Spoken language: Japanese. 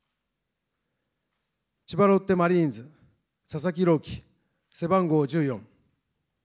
千葉ロッテマリーンズ、佐々木朗希、背番号１４。